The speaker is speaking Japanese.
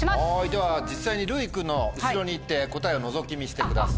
では実際にるうい君の後ろに行って答えをのぞき見してください。